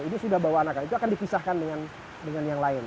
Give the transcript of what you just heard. ini sudah bawa anaknya itu akan dipisahkan dengan yang lain